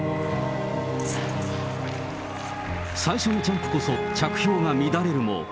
最初のジャンプこそ着氷が乱れるも。